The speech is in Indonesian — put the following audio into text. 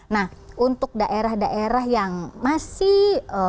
nah untuk daerah daerah yang masih